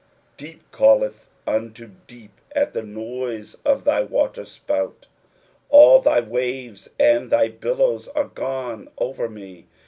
7 Deep calleth unto deep at the noise of thy waterepout ; all thy waves and thy billows are gone over me.